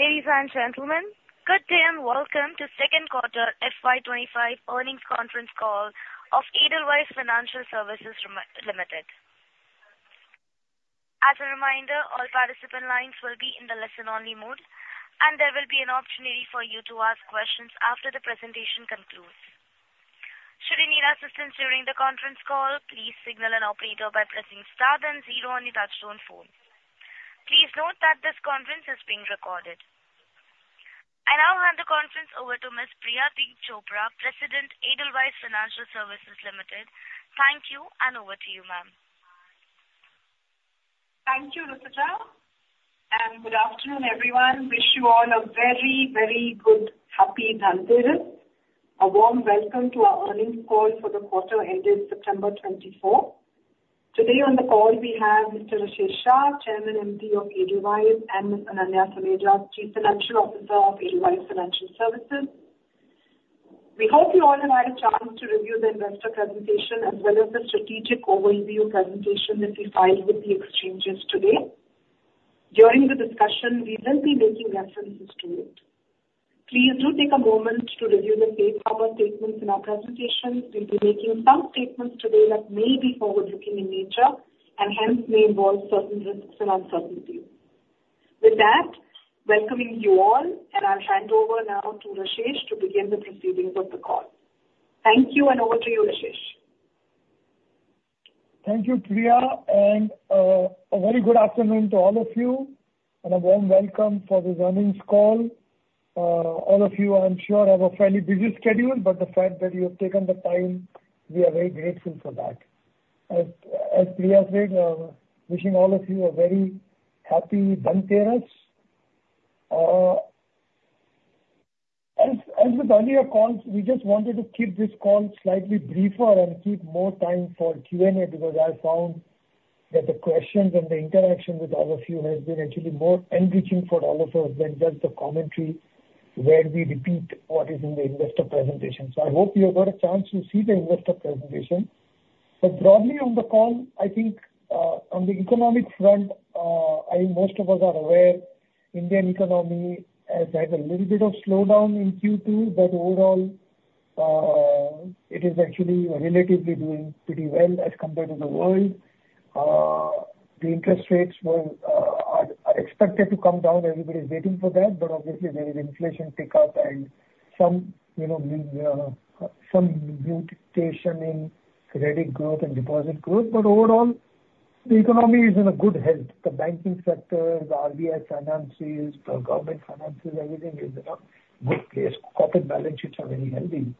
Ladies and gentlemen, good day, and welcome to second quarter FY twenty-five earnings conference call of Edelweiss Financial Services Limited. As a reminder, all participant lines will be in the listen-only mode, and there will be an opportunity for you to ask questions after the presentation concludes. Should you need assistance during the conference call, please signal an operator by pressing star then zero on your touchtone phone. Please note that this conference is being recorded. I now hand the conference over to Ms. Priyadeep Chopra, President, Edelweiss Financial Services Limited. Thank you, and over to you, ma'am. Thank you, Rosetta, and good afternoon, everyone. Wish you all a very, very good, happy Dhanteras. A warm welcome to our earnings call for the quarter ending September 2024. Today on the call, we have Mr. Rashesh Shah, Chairman, MD of Edelweiss, and Ms. Ananya Saneja, Chief Financial Officer of Edelweiss Financial Services. We hope you all have had a chance to review the investor presentation, as well as the strategic overview presentation that we filed with the exchanges today. During the discussion, we will be making references to it. Please do take a moment to review the safe harbor statements in our presentation. We'll be making some statements today that may be forward-looking in nature and hence may involve certain risks and uncertainties. With that, welcoming you all, and I'll hand over now to Rashesh to begin the proceedings of the call. Thank you, and over to you, Rashesh. Thank you, Priya, and a very good afternoon to all of you and a warm welcome for this earnings call. All of you, I'm sure, have a fairly busy schedule, but the fact that you have taken the time, we are very grateful for that. As Priya said, wishing all of you a very happy Dhanteras. As with earlier calls, we just wanted to keep this call slightly briefer and keep more time for Q&A, because I found that the questions and the interaction with all of you has been actually more enriching for all of us than just the commentary where we repeat what is in the investor presentation. So I hope you have got a chance to see the investor presentation. But broadly on the call, I think, on the economic front, I think most of us are aware Indian economy has had a little bit of slowdown in Q2, but overall, it is actually relatively doing pretty well as compared to the world. The interest rates are expected to come down. Everybody's waiting for that, but obviously there is inflation tick up and some, you know, some moderation in credit growth and deposit growth. But overall, the economy is in a good health. The banking sector, the RBI finances, the government finances, everything is in a good place. Corporate balance sheets are very healthy.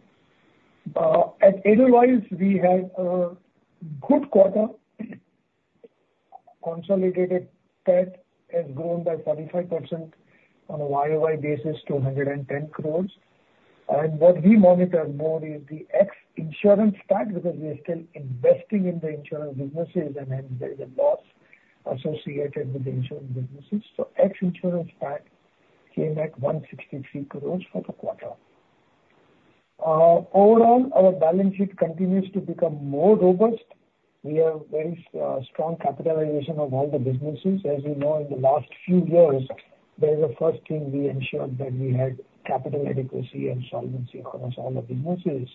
At Edelweiss, we had a good quarter. Consolidated PAT has grown by 45% on a YOY basis to 110 crores. And what we monitor more is the ex-insurance PAT, because we are still investing in the insurance businesses and then there is a loss associated with the insurance businesses. So ex-insurance PAT came at 163 crore for the quarter. Overall, our balance sheet continues to become more robust. We have very strong capitalization of all the businesses. As you know, in the last few years, that is the first thing we ensured that we had capital adequacy and solvency across all the businesses.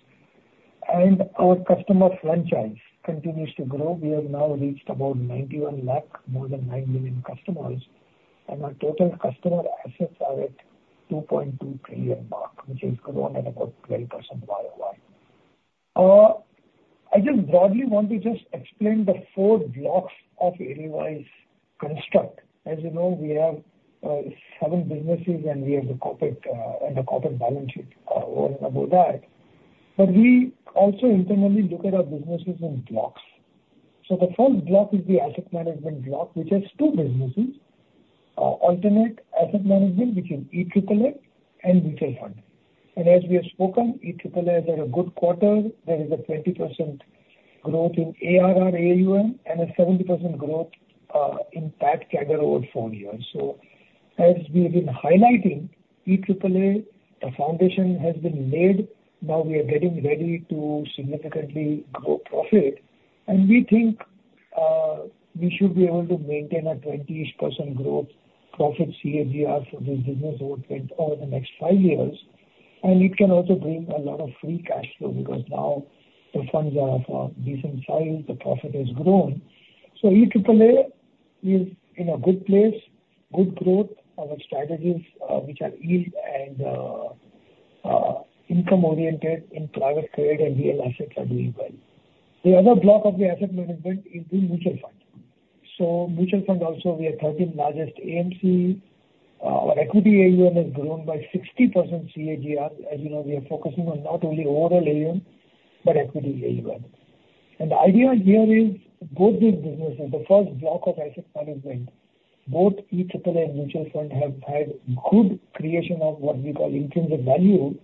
And our customer franchise continues to grow. We have now reached about 91 lakh, more than 9 million customers, and our total customer assets are at 2.2 trillion mark, which has grown at about 12% YOY. I just broadly want to just explain the four blocks of Edelweiss construct. As you know, we have seven businesses and we have the corporate and a corporate balance sheet over and above that. But we also internally look at our businesses in blocks. So the first block is the asset management block, which has two businesses, alternative asset management, which is EAAA, and mutual fund. And as we have spoken, EAAA has had a good quarter. There is a 20% growth in ARR AUM and a 70% growth in PAT CAGR over four years. So as we've been highlighting, EAAA, the foundation has been laid. Now we are getting ready to significantly grow profit, and we think we should be able to maintain a 20-ish% growth profit CAGR for this business over the next five years. And it can also bring a lot of free cash flow, because now the funds are of a decent size, the profit has grown. So EAAA is in a good place, good growth. Our strategies, which are yield and income oriented in private credit and real assets are doing well. The other block of the asset management is the mutual fund. So mutual fund also, we are the 13th largest AMC. Our equity AUM has grown by 60% CAGR. As you know, we are focusing on not only overall AUM, but equity AUM. And the idea here is both these businesses, the first block of asset management, both EAAA and mutual fund, have had good creation of what we call intrinsic value.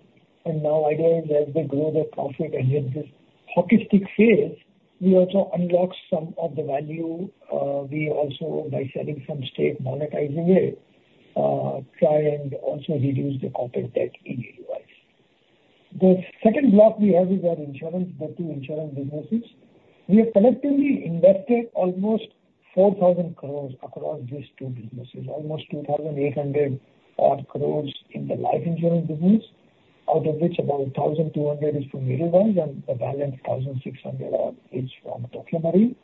And now ideally, as they grow their profit and in this hockey stick phase, we also unlock some of the value. We also, by selling some stake, monetizing it, try and also reduce the corporate debt easier. The second block we have is our insurance, the two insurance businesses. We have collectively invested almost 4,000 crores across these two businesses, almost 2,800 odd crores in the life insurance business, out of which about 1,200 is from Edelweiss and the balance, 1,600 odd is from Tokio Marine.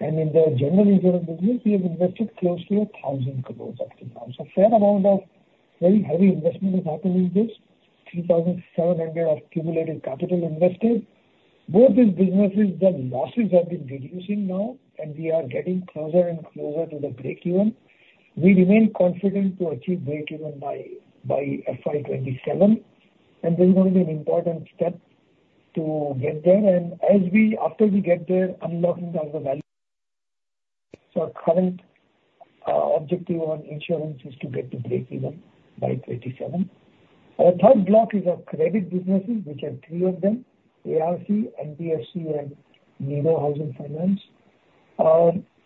And in the general insurance business, we have invested closely 1,000 crores up to now. So fair amount of very heavy investment is happening in this, 3,700 of cumulative capital invested. Both these businesses, the losses have been reducing now, and we are getting closer and closer to the breakeven. We remain confident to achieve breakeven by FY 2027, and this is going to be an important step to get there. And as we after we get there, unlocking down the value. Our current objective on insurance is to get to breakeven by 2027. Our third block is our credit businesses, which are three of them, ARC, NBFC, and Nido Home Finance.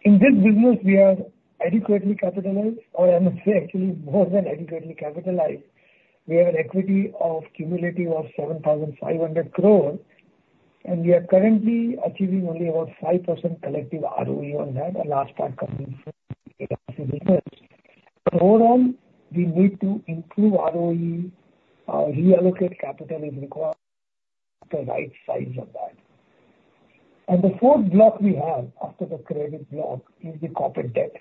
In this business, we are adequately capitalized, or I must say actually, more than adequately capitalized. We have an equity of cumulative of 7,500 crore, and we are currently achieving only about 5% collective ROE on that, and last time coming from ARC business. Going on, we need to improve ROE, reallocate capital is required the right size of that. And the fourth block we have after the credit block is the corporate debt,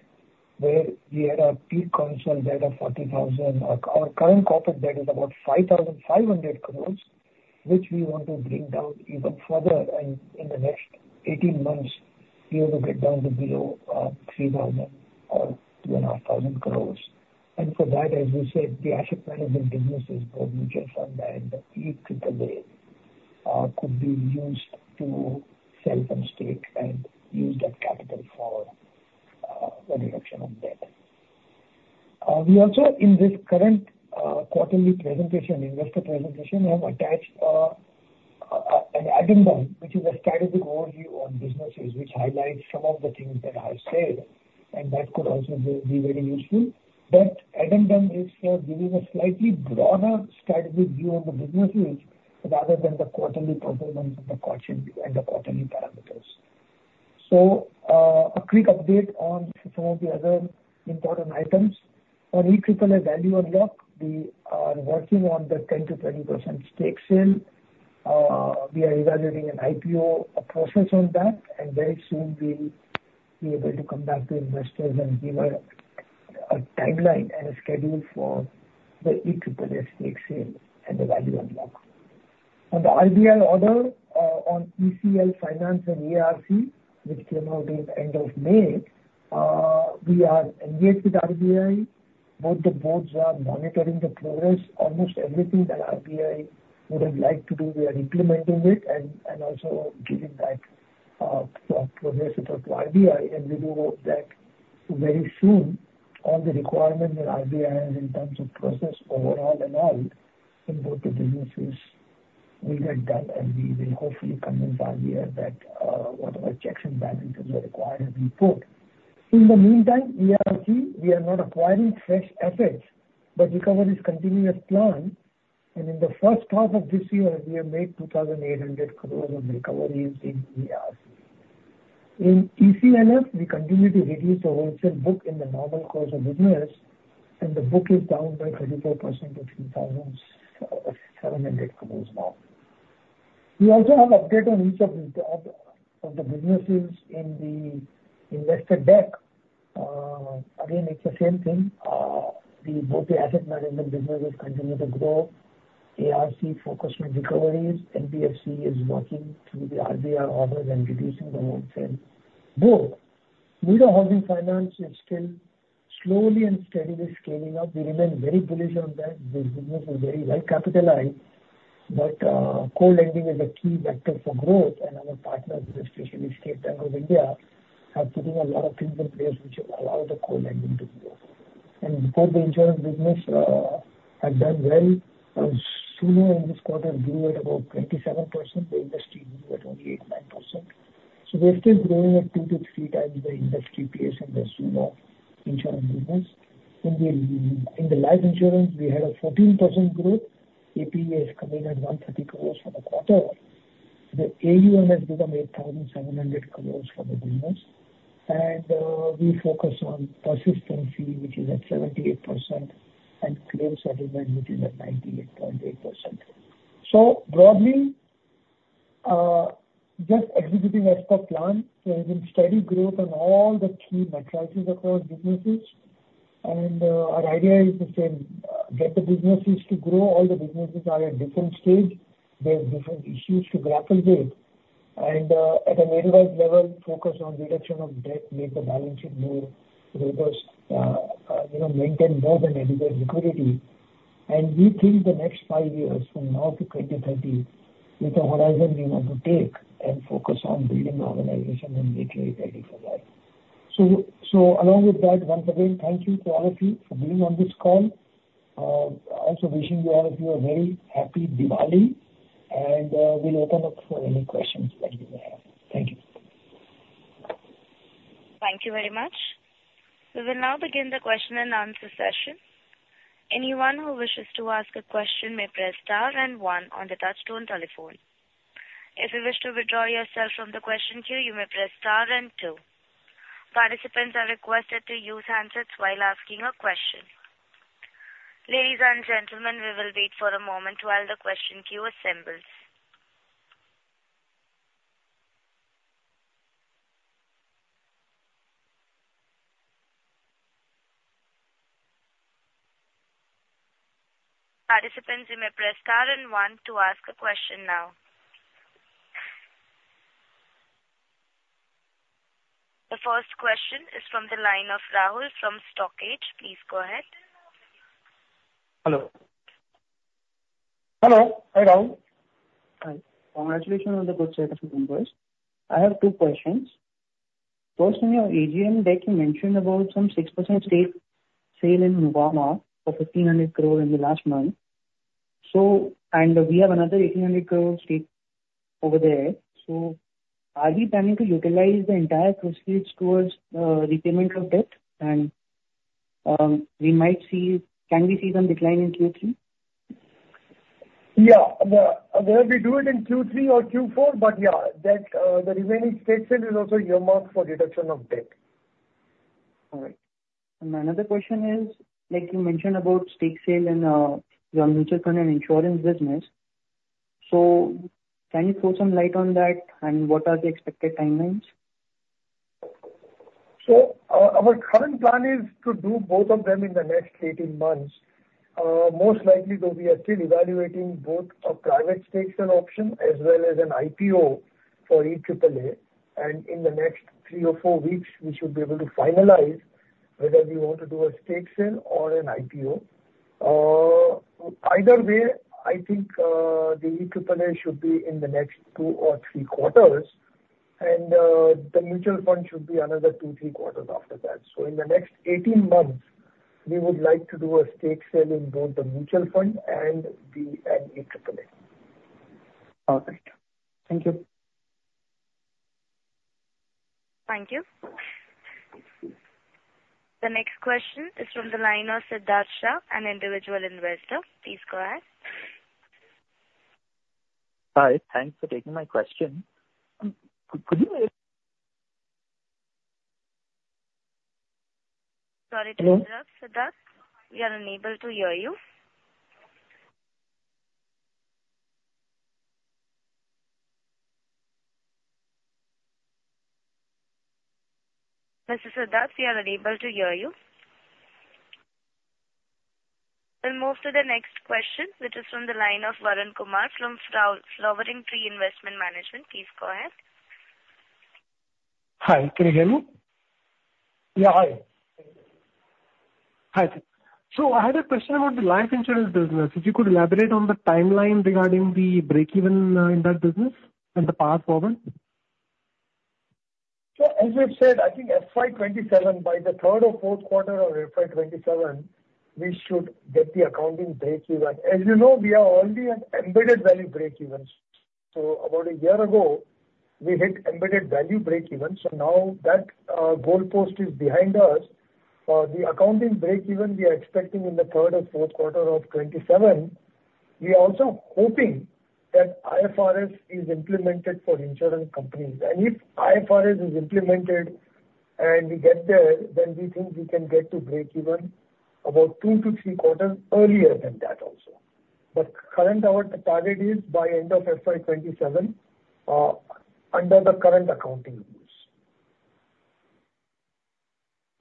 where we had our peak consolidated debt of 40,000 crores. Our current corporate debt is about 5,500 crores, which we want to bring down even further, and in the next 18 months, we have to get down to below 3,000 or 2,500 crores. And for that, as we said, the asset management business is both mutual fund and EAAA could be used to sell some stake and use that capital for the reduction of debt. We also, in this current quarterly presentation, investor presentation, have attached an addendum, which is a strategic overview on businesses which highlight some of the things that I've said, and that could also be very useful. That addendum is for giving a slightly broader strategic view of the businesses, rather than the quarterly performance and the caution and the quarterly parameters. So, a quick update on some of the other important items. On EAAA value unlock, we are working on the 10%-20% stake sale. We are evaluating an IPO, a process on that, and very soon we'll be able to come back to investors and give a timeline and a schedule for the EAAA stake sale and the value unlock. On the RBI order, on ECL Finance and ARC, which came out in the end of May, we are engaged with RBI. Both the boards are monitoring the progress. Almost everything that RBI would have liked to do, we are implementing it and also giving back proactive to RBI, and we will hope that very soon all the requirements that RBI has in terms of process overall and all in both the businesses will get done, and we will hopefully convince RBI that whatever checks and balances are required have been put. In the meantime, ARC, we are not acquiring fresh assets, but recovery is continuing as planned, and in the first half of this year, we have made 2,800 crores of recoveries in ARC. In ECLF, we continue to reduce the wholesale book in the normal course of business, and the book is down by 34% to 3,700 crores now. We also have update on each of the of the businesses in the investor deck. Again, it's the same thing. Both the asset management businesses continue to grow. ARC focused on recoveries. NBFC is working through the RBI orders and reducing the loan sale. Nido Housing Finance is still slowly and steadily scaling up. We remain very bullish on that. This business is very well capitalized, but co-lending is a key factor for growth, and our partners, especially State Bank of India, are putting a lot of things in place which allow the co-lending to grow, and both the insurance business have done well. Zuno in this quarter grew at about 27%, the industry grew at only 8-9%. So we're still growing at two to three times the industry pace in the Zuno insurance business. In the life insurance, we had a 14% growth. APE is coming at INR 130 crores for the quarter. The AUM has become INR 8,700 crores for the business. And, we focus on persistency, which is at 78%, and claim settlement, which is at 98.8%. So broadly, just executing as per plan. There has been steady growth on all the key metrics across businesses. And, our idea is to say, get the businesses to grow. All the businesses are at different stage. There's different issues to grapple with. And, at an Edelweiss level, focus on reduction of debt, make the balance sheet more robust, you know, maintain more than adequate liquidity. And we think the next five years, from now to 2030, is the horizon we want to take and focus on building the organization and make it ready for that. So, so along with that, once again, thank you to all of you for being on this call. Also wishing you all of you a very happy Diwali, and, we'll open up for any questions that you may have. Thank you.... Thank you very much. We will now begin the question and answer session. Anyone who wishes to ask a question may press star and one on the touchtone telephone. If you wish to withdraw yourself from the question queue, you may press star and two. Participants are requested to use handsets while asking a question. Ladies and gentlemen, we will wait for a moment while the question queue assembles. Participants, you may press star and one to ask a question now. The first question is from the line of Rahul from StockEdge. Please go ahead. Hello. Hello. Hi, Rahul. Hi. Congratulations on the good set of numbers. I have two questions. First, in your AGM deck, you mentioned about some 6% stake sale in Nuvama for 1,500 crore in the last month. So, and we have another 1,800 crore stake over there, so are we planning to utilize the entire proceeds towards repayment of debt? And, can we see some decline in Q3? Yeah. Whether we do it in Q3 or Q4, but yeah, that the remaining stake sale is also earmarked for reduction of debt. All right, and my another question is, like you mentioned about stake sale in your mutual fund and insurance business. So can you throw some light on that, and what are the expected timelines? Our current plan is to do both of them in the next eighteen months. Most likely, though, we are still evaluating both a private stake sale option as well as an IPO for EAAA. In the next three or four weeks, we should be able to finalize whether we want to do a stake sale or an IPO. Either way, I think, the EAAA should be in the next two or three quarters, and, the mutual fund should be another two, three quarters after that. In the next eighteen months, we would like to do a stake sale in both the mutual fund and the, and EAAA. Okay. Thank you. Thank you. The next question is from the line of Siddhartha, an individual investor. Please go ahead. Hi, thanks for taking my question. Could you- Sorry to interrupt, Siddhartha. We are unable to hear you. Mr. Siddhartha, we are unable to hear you. We'll move to the next question, which is from the line of Varun Kumar from Flowering Tree Investment Management. Please go ahead. Hi, can you hear me? Yeah. Hi. Hi. So I had a question about the life insurance business. If you could elaborate on the timeline regarding the breakeven in that business and the path forward. So, as I said, I think FY 2027, by the third or fourth quarter of FY 2027, we should get the accounting breakeven. As you know, we are already at embedded value breakevens. So about a year ago, we hit embedded value breakeven, so now that, goalpost is behind us. The accounting breakeven, we are expecting in the third or fourth quarter of 2027. We are also hoping that IFRS is implemented for insurance companies. And if IFRS is implemented and we get there, then we think we can get to breakeven about two to three quarters earlier than that also. But current, our target is by end of FY 2027, under the current accounting rules.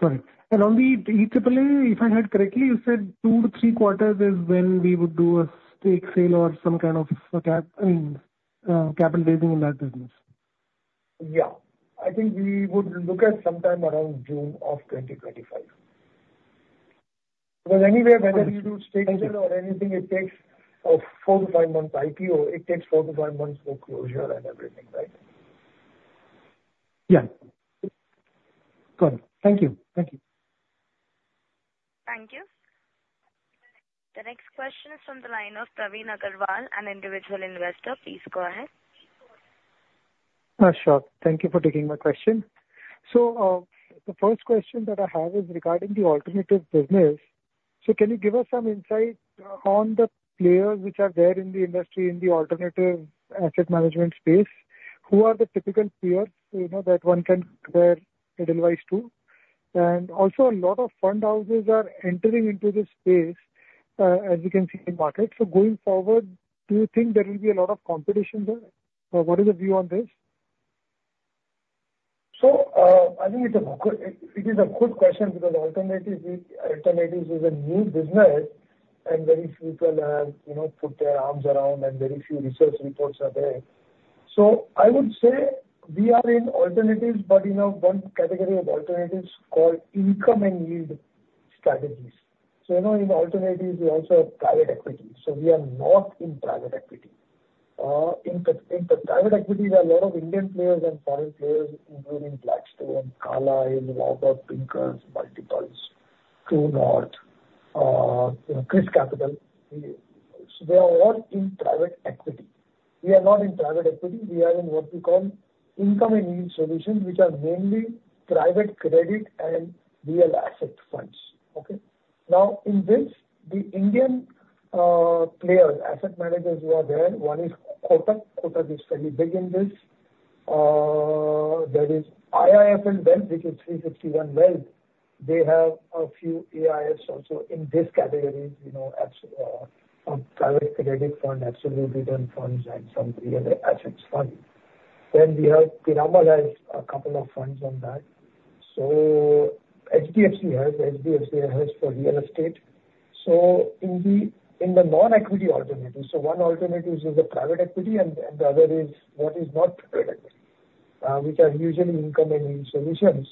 Correct. On the EAAA, if I heard correctly, you said two to three quarters is when we would do a stake sale or some kind of a cap, I mean, capital raising in that business. Yeah. I think we would look at sometime around June of twenty twenty-five. Well, anyway, whether you do stake sale or anything, it takes four-to-five months IPO. It takes four-to-five months for closure and everything, right? Yeah. Got it. Thank you. Thank you. Thank you. The next question is from the line of Praveen Agrawal, an individual investor. Please go ahead. Sure. Thank you for taking my question. So, the first question that I have is regarding the alternative business. So can you give us some insight on the players which are there in the industry, in the alternative asset management space? Who are the typical players, so you know that one can compare Edelweiss to? And also, a lot of fund houses are entering into this space, as you can see in the market. So going forward, do you think there will be a lot of competition there, or what is your view on this? So, I think it's a good, it is a good question because alternative is, alternatives is a new business, and very few people have, you know, put their arms around, and very few research reports are there. So I would say we are in alternatives, but in one category of alternatives called income and yield strategies. So, you know, in alternatives we also have private equity, so we are not in private equity. In the private equity, there are a lot of Indian players and foreign players, including Blackstone, Carlyle, and a lot of others, Multiples, True North, you know, ChrysCapital. So they are all in private equity. We are not in private equity. We are in what we call income and yield solutions, which are mainly private credit and real asset funds. Okay? Now, in this, the Indian players, asset managers who are there, one is Kotak. Kotak is fairly big in this. There is IIFL Wealth, which is 360 ONE Wealth. They have a few AIFs also in this category, you know, as some private credit fund, absolute return funds, and some real assets fund. Then we have Piramal has a couple of funds on that. So HDFC has for real estate. So in the non-equity alternatives, so one alternative is the private equity and the other is what is not private equity, which are usually income and yield solutions.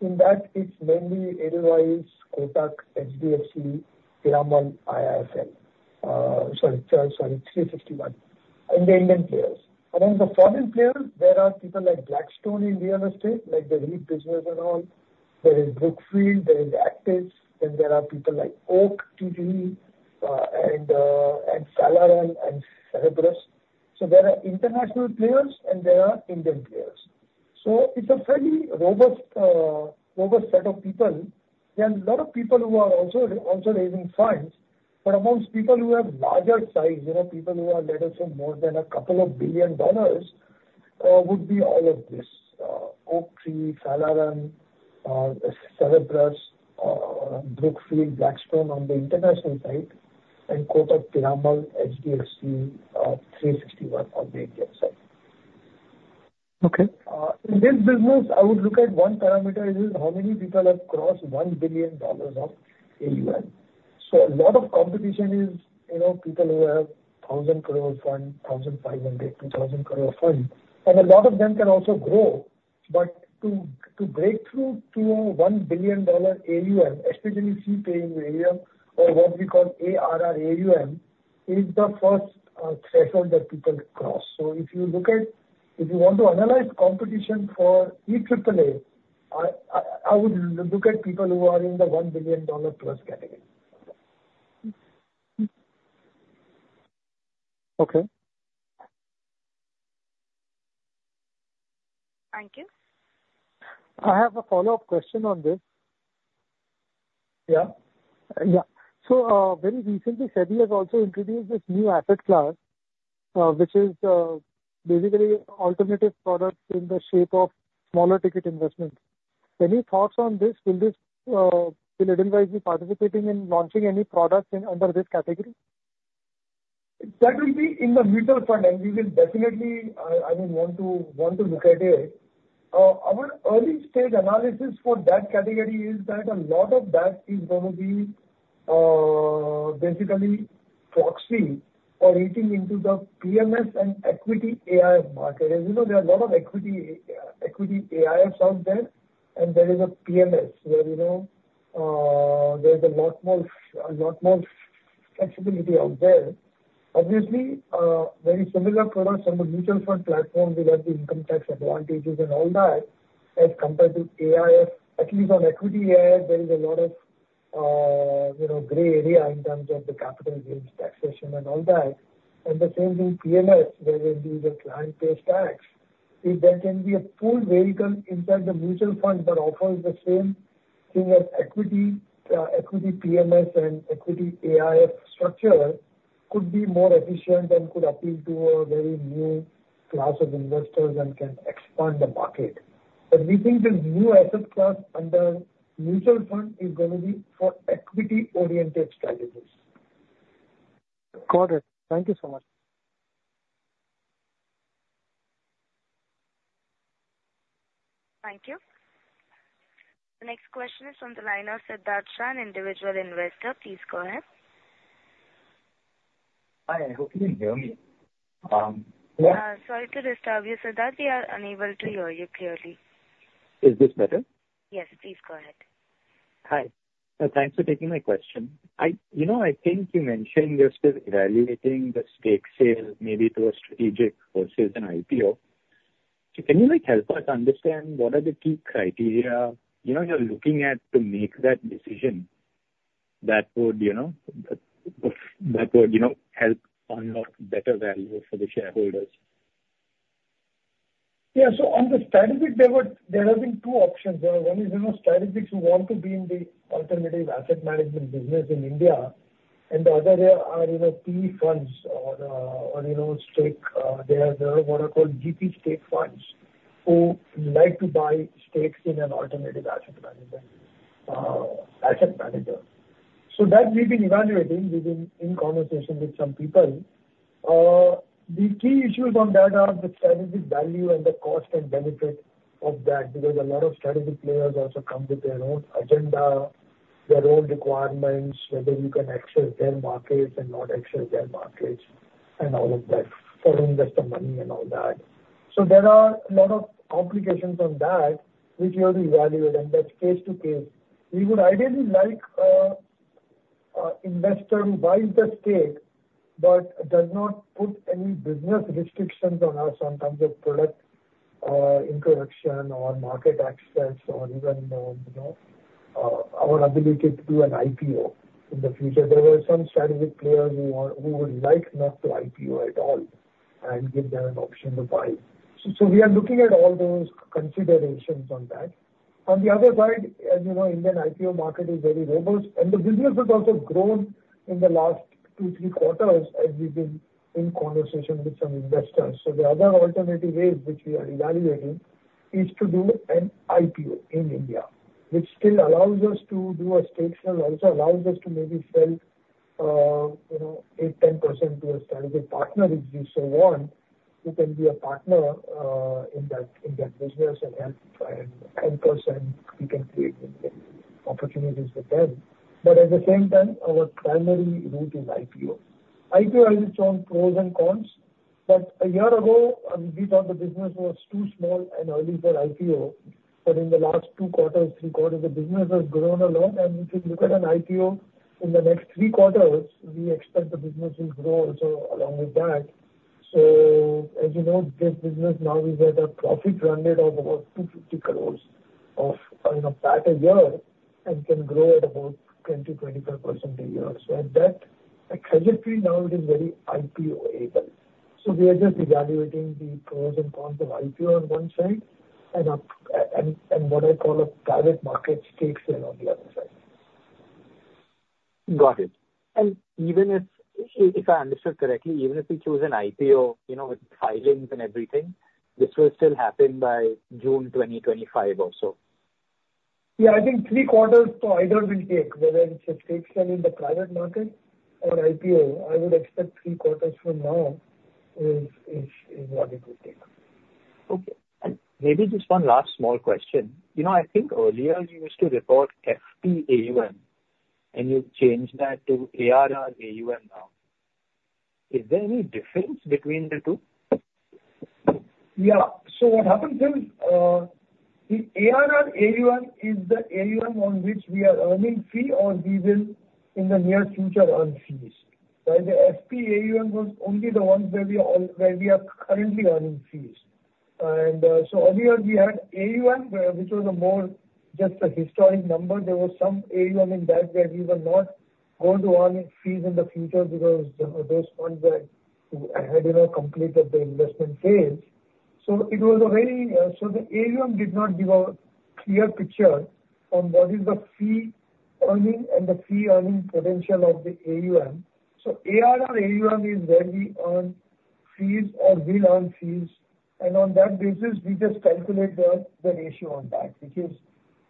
In that it's mainly Edelweiss, Kotak, HDFC, Piramal, 360 ONE, and the Indian players. Among the foreign players, there are people like Blackstone in real estate, like the REIT business and all. There is Brookfield, there is Actis, then there are people like Oaktree and Carlyle and Cerberus. So there are international players, and there are Indian players. So it's a fairly robust set of people. There are a lot of people who are also raising funds, but amongst people who have larger size, you know, people who have, let us say, more than a couple of billion dollars, would be all of this. Oaktree, Piramal, Cerberus, Brookfield, Blackstone on the international side, and Kotak, Piramal, HDFC, 360 ONE on the Indian side. Okay. In this business, I would look at one parameter, is how many people have crossed one billion dollars of AUM? So a lot of competition is, you know, people who have thousand crore fund, thousand five hundred, two thousand crore fund, and a lot of them can also grow. But to break through to one billion dollar AUM, especially fee-paying AUM or what we call ARR-AUM, is the first threshold that people cross. So if you look at... If you want to analyze competition for EAAA, I would look at people who are in the one billion dollar plus category. Okay. Thank you. I have a follow-up question on this. Yeah? Yeah. So, very recently, SEBI has also introduced this new asset class, which is basically alternative products in the shape of smaller ticket investment. Any thoughts on this? Will this, Edelweiss be participating in launching any products in under this category? That will be in the mutual fund, and we will definitely, I would want to look at it. Our early stage analysis for that category is that a lot of that is gonna be basically proxy or eating into the PMS and equity AIF market. As you know, there are a lot of equity AIFs out there, and there is a PMS where, you know, there's a lot more flexibility out there. Obviously, very similar products on the mutual fund platform, we have the income tax advantages and all that, as compared to AIF. At least on equity AIF, there is a lot of, you know, gray area in terms of the capital gains taxation and all that. And the same with PMS, where there is a client pays tax. If there can be a full vehicle inside the mutual fund that offers the same thing as equity, equity PMS and equity AIF structure, could be more efficient and could appeal to a very new class of investors and can expand the market. But we think the new asset class under mutual fund is gonna be for equity-oriented strategies. Got it. Thank you so much. Thank you. The next question is on the line of Siddharth Shah, individual investor. Please go ahead. Hi, I hope you can hear me. Sorry to disturb you, Siddharth, we are unable to hear you clearly. Is this better? Yes. Please go ahead. Hi. So thanks for taking my question. You know, I think you mentioned you're still evaluating the stake sale, maybe through a strategic versus an IPO. So can you, like, help us understand what are the key criteria, you know, you're looking at to make that decision that would, you know, help unlock better value for the shareholders? Yeah. So on the strategic, there have been two options. One is, you know, strategics who want to be in the alternative asset management business in India, and the other are, you know, PE funds or, or, you know, stake, they are what are called GP stake funds, who like to buy stakes in an alternative asset management, asset manager. So that we've been evaluating, in conversation with some people. The key issues on that are the strategic value and the cost and benefit of that, because a lot of strategic players also come with their own agenda, their own requirements, whether you can access their markets and not access their markets, and all of that, foreign investor money and all that. So there are a lot of complications on that, which we have to evaluate, and that's case to case. We would ideally like investor buys the stake, but does not put any business restrictions on us on terms of product introduction or market access or even, you know, our ability to do an IPO in the future. There were some strategic players who would like not to IPO at all, and give them an option to buy. So we are looking at all those considerations on that. On the other side, as you know, Indian IPO market is very robust, and the business has also grown in the last two, three quarters as we've been in conversation with some investors. So the other alternative ways which we are evaluating is to do an IPO in India, which still allows us to do a stake sale, also allows us to maybe sell, you know, 8%-10% to a strategic partner, if we so want. Who can be a partner in that business and help, and 10% we can create opportunities for them. But at the same time, our primary route is IPO. IPO has its own pros and cons, but a year ago, we thought the business was too small and early for IPO. But in the last two quarters, three quarters, the business has grown a lot, and if you look at an IPO in the next three quarters, we expect the business will grow also along with that. As you know, this business now is at a profit run rate of about 250 crores in a year, and can grow at about 10%-25% a year. That trajectory now is very IPO-able. We are just evaluating the pros and cons of IPO on one side, and what I call a private market stake sale on the other side. Got it and even if, if I understood correctly, even if we choose an IPO, you know, with filings and everything, this will still happen by June 2025 or so? Yeah, I think three quarters it'll take, whether it's a stake sale in the private market or an IPO. I would expect three quarters from now is what it would take. Okay. And maybe just one last small question. You know, I think earlier you used to report FPAUM, and you've changed that to ARR-AUM now. Is there any difference between the two? Yeah. So what happens is, the ARR-AUM is the AUM on which we are earning fee or we will, in the near future, earn fees. While the FPAUM was only the ones where we are where we are currently earning fees. And, so earlier we had AUM, which was a more just a historic number. There was some AUM in that, where we were not going to earn fees in the future because those funds were, had, you know, completed their investment phase. So it was a very. So the AUM did not give a clear picture on what is the fee earning and the fee earning potential of the AUM. So ARR-AUM is where we earn fees or will earn fees, and on that basis, we just calculate the ratio on that. Because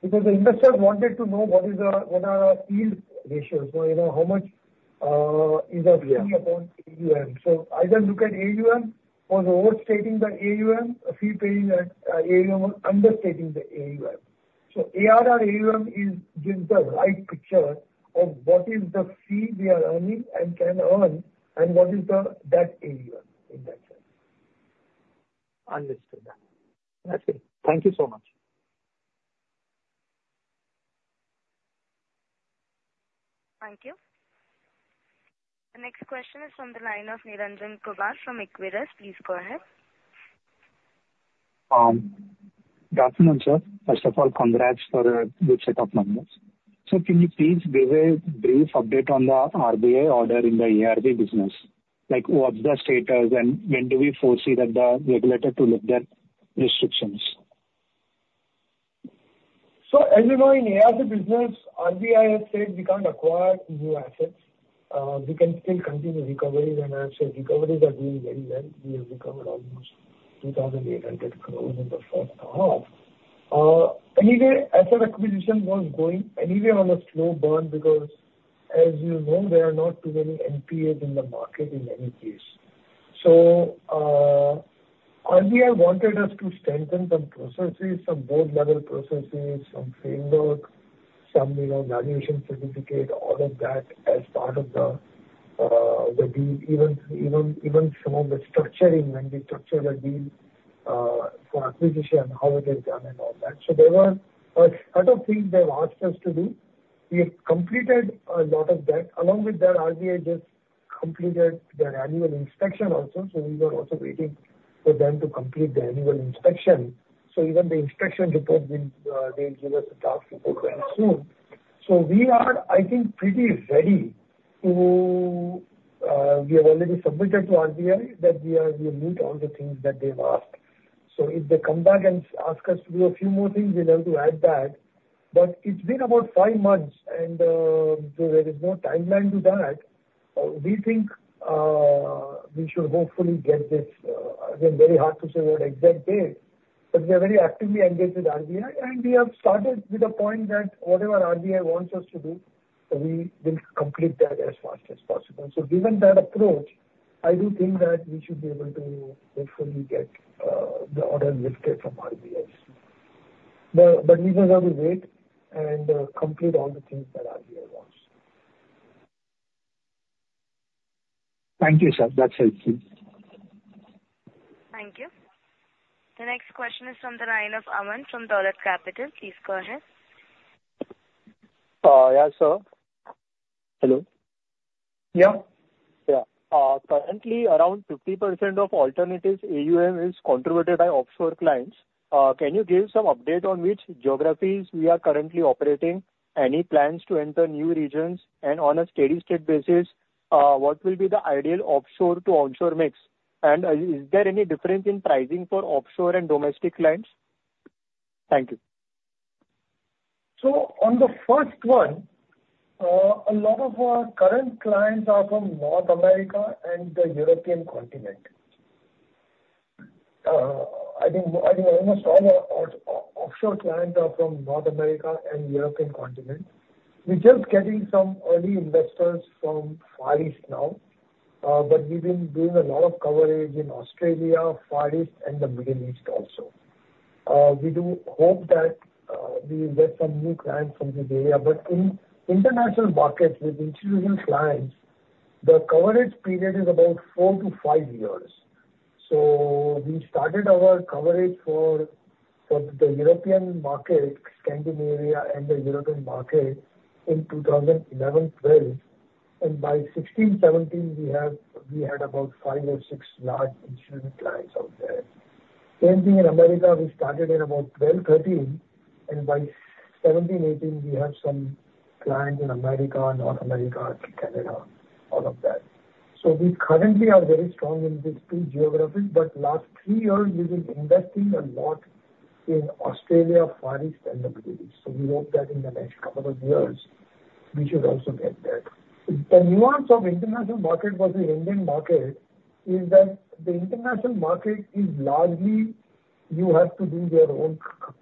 the investor wanted to know what are our yield ratios, or, you know, how much... Yeah. - is our fee upon AUM. So either look at AUM or overstating the AUM, fee paying AUM, or understating the AUM. So ARR-AUM is, gives the right picture of what is the fee we are earning and can earn, and what is the, that AUM, in that sense. Understood that. That's it. Thank you so much. Thank you. The next question is from the line of Niranjan Kumar from Equirus. Please go ahead. Good afternoon, sir. First of all, congrats for a good set of numbers. Sir, can you please give a brief update on the RBI order in the ARC business? Like, what's the status, and when do we foresee that the regulator to lift that restrictions? As you know, in ARC business, RBI has said we can't acquire new assets. We can still continue recoveries, and I said recoveries are doing very well. We have recovered almost 2,800 crores in the first half. Anyway, asset acquisition was going anyway on a slow burn, because as you know, there are not too many NPAs in the market in any case. RBI wanted us to strengthen some processes, some board level processes, some framework, some, you know, valuation certificate, all of that as part of the deal. Even some of the structuring, when we structure a deal for acquisition, how it is done and all that. So there were a lot of things they've asked us to do. We have completed a lot of that. Along with that, RBI just completed their annual inspection also, so we were also waiting for them to complete the annual inspection, so even the inspection report will, they give us a draft report very soon, so we are, I think, pretty ready to... We have already submitted to RBI that we are, we meet all the things that they've asked, so if they come back and ask us to do a few more things, we'll have to add that, but it's been about five months and there is no timeline to that. We think we should hopefully get this, again, very hard to say an exact date, but we are very actively engaged with RBI, and we have started with the point that whatever RBI wants us to do, we will complete that as fast as possible. So given that approach, I do think that we should be able to hopefully get the order lifted from RBI. But we will have to wait and complete all the things that RBI wants. ... Thank you, sir. That's helpful. Thank you. The next question is from the line of Aman from Dolat Capital. Please go ahead. Yeah, sir. Hello? Yeah. Yeah. Currently, around 50% of alternatives AUM is contributed by offshore clients. Can you give some update on which geographies we are currently operating? Any plans to enter new regions? And on a steady state basis, what will be the ideal offshore to onshore mix? And, is there any difference in pricing for offshore and domestic clients? Thank you. On the first one, a lot of our current clients are from North America and the European continent. I think almost all our offshore clients are from North America and European continent. We are just getting some early investors from Far East now, but we have been doing a lot of coverage in Australia, Far East and the Middle East also. We do hope that we will get some new clients from this area. In international markets, with institutional clients, the coverage period is about four to five years. We started our coverage for the European market, Scandinavia and the European market in 2011, 2012, and by 2016, 2017, we had about five or six large institutional clients out there. Same thing in America, we started in about 2012, 2013, and by 2017, 2018, we have some clients in America, North America, Canada, all of that. So we currently are very strong in these two geographies, but last three years, we've been investing a lot in Australia, Far East, and the Middle East. So we hope that in the next couple of years, we should also get there. The nuance of international market versus Indian market is that the international market is largely you have to do your own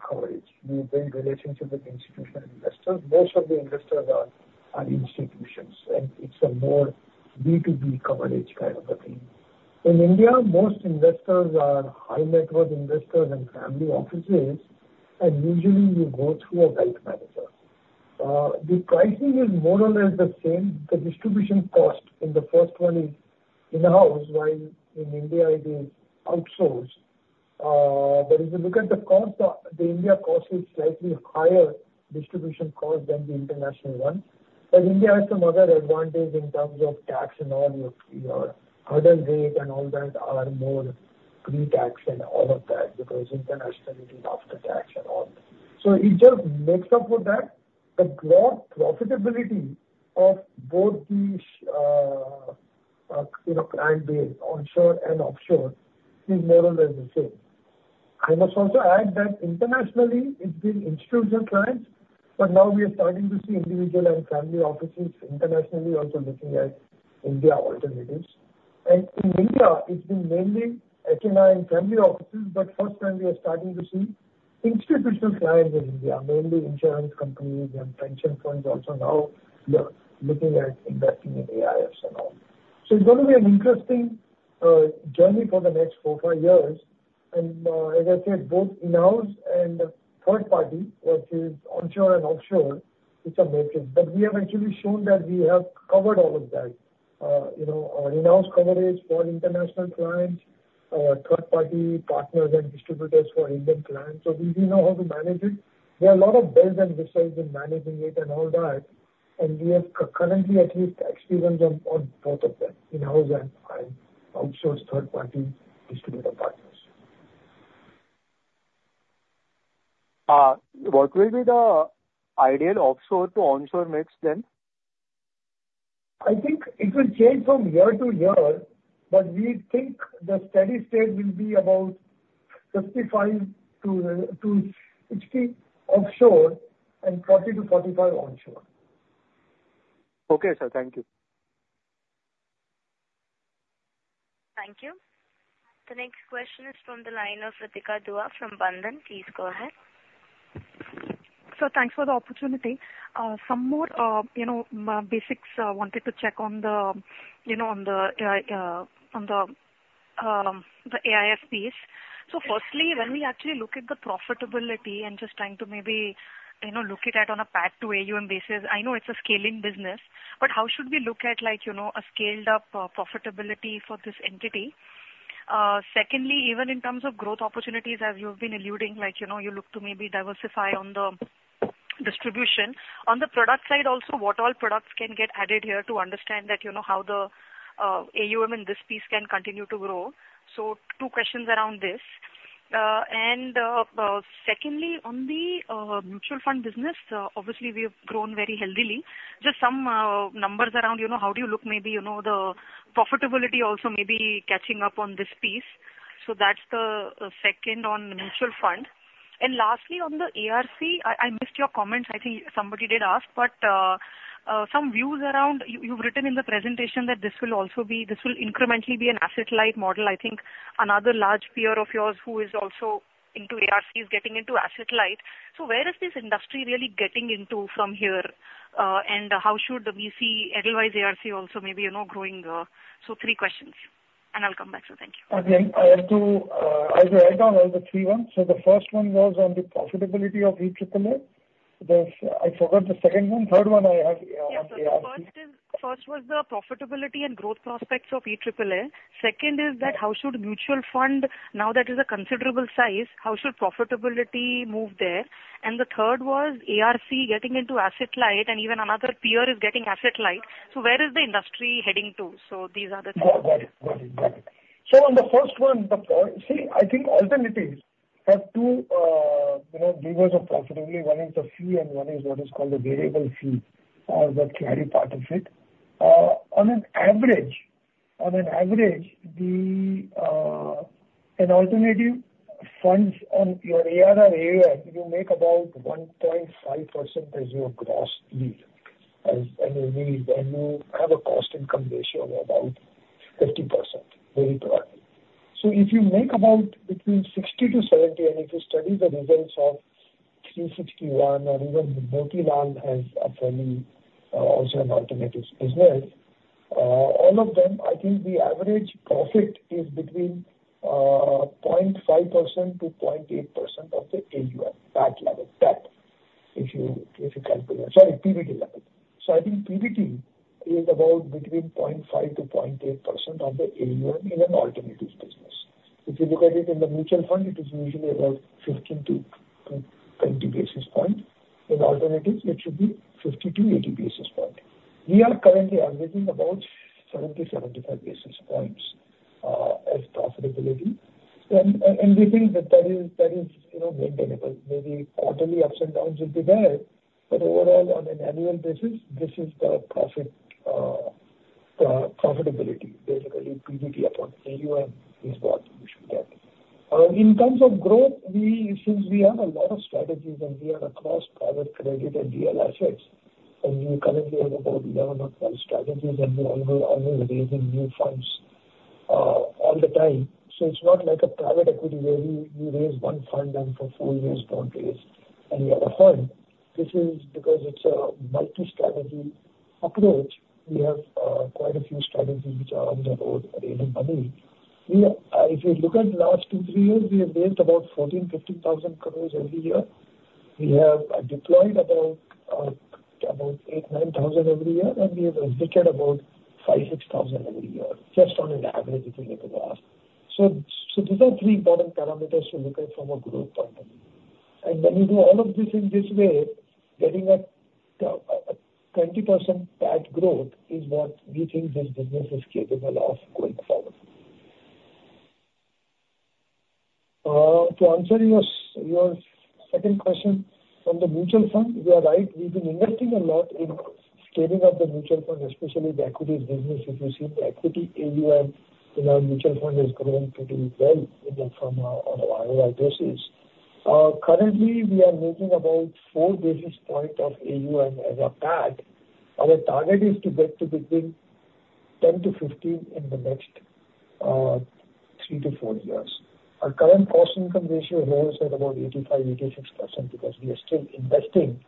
coverage. You build relationships with institutional investors. Most of the investors are institutions, and it's a more B2B coverage kind of a thing. In India, most investors are high net worth investors and family offices, and usually you go through a wealth manager. The pricing is more or less the same. The distribution cost in the first one is in-house, while in India it is outsourced. But if you look at the cost, the India cost is slightly higher distribution cost than the international one. But India has some other advantage in terms of tax and all, your other rate and all that are more pre-tax and all of that, because internationally it is after tax and all. So it just makes up for that. The profitability of both these, you know, client base, onshore and offshore, is more or less the same. I must also add that internationally, it's been institutional clients, but now we are starting to see individual and family offices internationally also looking at India alternatives. And in India, it's been mainly HNI and family offices, but first time we are starting to see institutional clients in India, mainly insurance companies and pension funds also now we are looking at investing in AIFs and all. So it's going to be an interesting journey for the next four, five years. And, as I said, both in-house and third party, which is onshore and offshore, it's a mixture. But we have actually shown that we have covered all of that. You know, our in-house coverage for international clients, third party partners and distributors for Indian clients, so we know how to manage it. There are a lot of dos and don'ts in managing it and all that, and we have currently at least experience on both of them, in-house and outsourced third-party distributor partners. What will be the ideal offshore to onshore mix then? I think it will change from year to year, but we think the steady state will be about fifty-five to sixty offshore and forty to forty-five onshore. Okay, sir. Thank you. Thank you. The next question is from the line of Ritika Dua from Bandhan. Please go ahead. So thanks for the opportunity. Some more, you know, basics wanted to check on the, you know, the AIF piece. So firstly, when we actually look at the profitability and just trying to maybe, you know, look at it on a PAT to AUM basis, I know it's a scaling business, but how should we look at like, you know, a scaled up profitability for this entity? Secondly, even in terms of growth opportunities, as you've been alluding, like, you know, you look to maybe diversify on the distribution. On the product side also, what all products can get added here to understand that, you know, how the AUM in this piece can continue to grow? So two questions around this. And, secondly, on the mutual fund business, obviously we have grown very healthily. Just some numbers around, you know, how do you look maybe, you know, the profitability also maybe catching up on this piece. So that's the second on mutual fund. And lastly, on the ARC, I missed your comments. I think somebody did ask, but some views around... You've written in the presentation that this will also be this will incrementally be an asset-light model. I think another large peer of yours who is also into ARC is getting into asset-light. So where is this industry really getting into from here? And how should we see Edelweiss ARC also maybe, you know, growing? So three questions... And I'll come back. So thank you. Again, I have to. I will write down all the three ones. So the first one was on the profitability of EAAA. There's, I forgot the second one. Third one I have, ARC. Yes. So the first is, first was the profitability and growth prospects of EAAA. Second is that how should mutual fund, now that is a considerable size, how should profitability move there? And the third was ARC getting into asset light and even another peer is getting asset light. So where is the industry heading to? So these are the three. Got it. Got it, got it. So on the first one, the first, see, I think alternatives have two, you know, levers of profitability. One is the fee, and one is what is called a variable fee, that carry part of it. On an average, the an alternative funds on your ARR AUM, you make about 1.5% as your gross yield. As annual revenue, you have a cost-income ratio of about 50%, very broadly. So if you make about between 60-70, and if you study the results of 360 ONE, and even Motilal has a fairly, also an alternatives business. All of them, I think the average profit is between 0.5% to 0.8% of the AUM, that level, that, if you, if you calculate, sorry, PBT level. So I think PBT is about between 0.5% to 0.8% of the AUM in an alternatives business. If you look at it in the mutual fund, it is usually about 15-20 basis points. In alternatives, it should be 50-80 basis points. We are currently averaging about 70-75 basis points as profitability. And we think that that is, you know, maintainable. Maybe quarterly ups and downs will be there, but overall, on an annual basis, this is the profitability. Basically, PBT upon AUM is what you should get. In terms of growth, we since we have a lot of strategies and we are across private credit and real assets, and we currently have about 11 or 12 strategies, and we're always raising new funds all the time. So it's not like a private equity where you raise one fund and for four years don't raise any other fund. This is because it's a multi-strategy approach. We have quite a few strategies which are on their own raising money. We are if you look at the last two, three years, we have raised about 14,000-15,000 crore every year. We have deployed about 8,000-9,000 crore every year, and we have exited about 5,000-6,000 crore every year, just on an average, if you look at the last. So these are three important parameters to look at from a growth point of view. And when you do all of this in this way, getting a 20% PAT growth is what we think this business is capable of going forward. To answer your second question on the mutual fund, you are right. We've been investing a lot in scaling up the mutual fund, especially the equities business. If you see the equity AUM in our mutual fund, it is growing pretty well on a ROI basis. Currently, we are making about four basis points of AUM as a PAT. Our target is to get to between 10 to 15 in the next three to four years. Our current cost-income ratio hovers at about 85-86% because we are still investing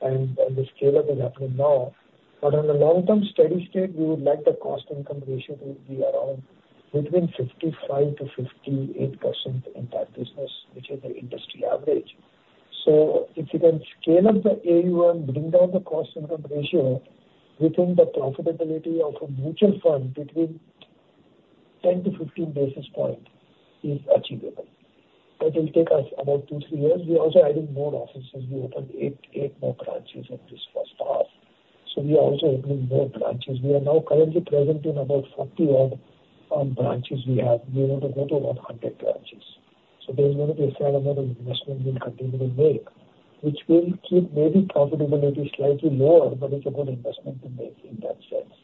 and the scale-up is happening now. But on a long-term steady state, we would like the cost-income ratio to be around between 55-58% in that business, which is the industry average. So if you can scale up the AUM, bring down the cost-income ratio, we think the profitability of a mutual fund between 10-15 basis points is achievable. That will take us about 2-3 years. We're also adding more offices. We opened 8 more branches in this first half, so we are also opening more branches. We are now currently present in about 40-odd branches. We want to go to 100 branches. So there's going to be a fair amount of investment we'll continue to make, which will keep maybe profitability slightly lower, but it's a good investment to make in that sense.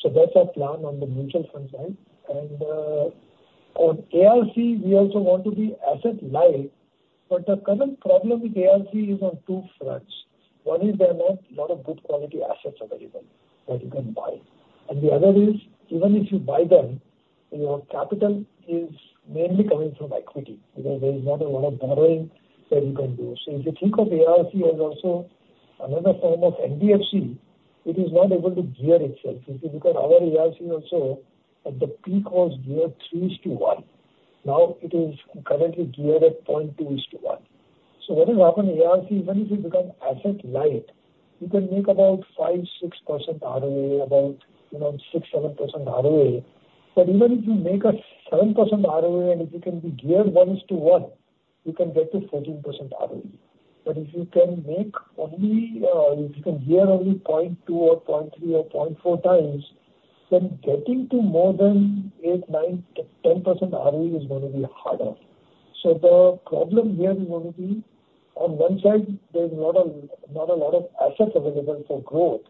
So that's our plan on the mutual fund side. And on ARC, we also want to be asset-light, but the current problem with ARC is on two fronts. One is, there are not a lot of good quality assets available that you can buy. And the other is, even if you buy them, your capital is mainly coming from equity, because there is not a lot of borrowing that you can do. So if you think of ARC as also another form of NBFC, it is not able to gear itself. If you look at our ARC also, at the peak was geared 3 to 1, now it is currently geared at 0.2 to 1. So what is happening in ARC, even if you become asset light, you can make about 5-6% ROA, about, you know, 6-7% ROA. But even if you make a 7% ROA, and if you can be geared 1 to 1, you can get to 14% ROE. But if you can make only, if you can gear only point two, or point three, or point four times, then getting to more than eight, nine, 10% ROE is gonna be harder. So the problem here is gonna be, on one side, there's not a lot of assets available for growth.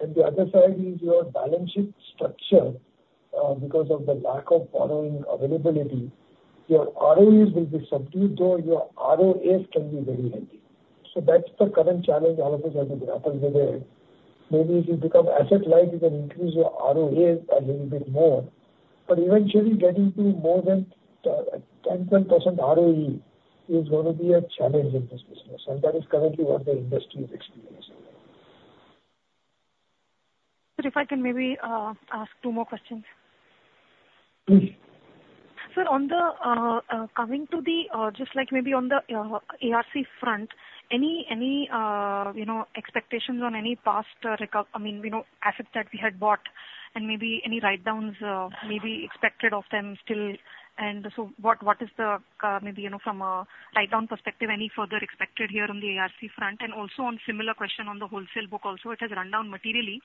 And the other side is your balance sheet structure, because of the lack of borrowing availability, your ROEs will be subdued, though your ROAs can be very healthy. So that's the current challenge all of us are grappling with it. Maybe if you become asset light, you can increase your ROAs a little bit more, but eventually getting to more than, 10, 10% ROE is gonna be a challenge in this business, and that is currently what the industry is experiencing.... Sir, if I can maybe ask two more questions. Mm-hmm. Sir, on the coming to the just like maybe on the ARC front, any you know expectations on any past I mean you know assets that we had bought, and maybe any write-downs maybe expected of them still? And so what what is the maybe you know from a write-down perspective, any further expected here on the ARC front? And also on similar question on the wholesale book also, it has run down materially,